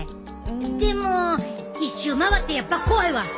でも一周回ってやっぱ怖いわ！